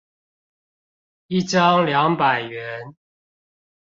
一張兩百元